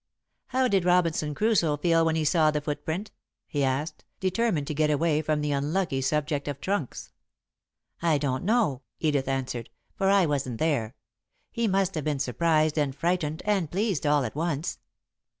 "How did Robinson Crusoe feel when he saw the footprint?" he asked, determined to get away from the unlucky subject of trunks. "I don't know," Edith answered, "for I wasn't there. He must have been surprised and frightened and pleased all at once.